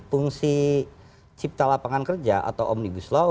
fungsi cipta lapangan kerja atau omnibus law